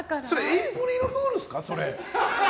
エイプリルフールです。